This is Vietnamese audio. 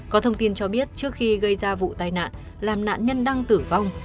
có thông tin cho biết trước khi gây ra vụ tai nạn làm nạn nhân đăng tử vong